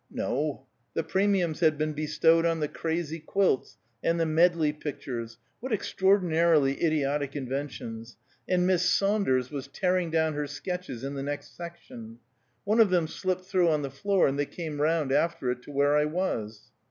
"No; the premiums had been bestowed on the crazy quilts and the medley pictures what extraordinarily idiotic inventions! and Miss Saunders was tearing down her sketches in the next section. One of them slipped through on the floor, and they came round after it to where I was."